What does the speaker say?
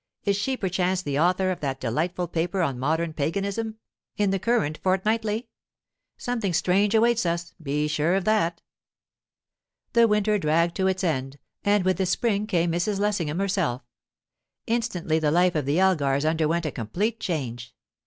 Is she, perchance, the author of that delightful paper on 'Modern Paganism,' in the current Fortnightly? Something strange awaits us, be sure of that." The winter dragged to its end, and with the spring came Mrs. Lessingham herself. Instantly the life of the Elgars underwent a complete change.